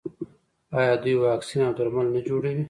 آیا دوی واکسین او درمل نه جوړوي؟